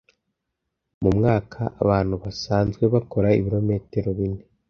Mu mwaka, abantu basanzwe bakora ibirometero bine